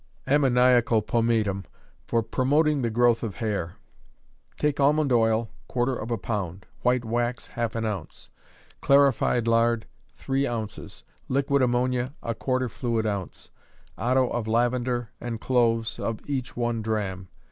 Ammoniacal Pomatum for Promoting the Growth of Hair. Take almond oil, quarter of a pound; white wax, half an ounce; clarified lard, three ounces; liquid ammonia, a quarter fluid ounce; otto of lavender, and cloves, of each one drachm.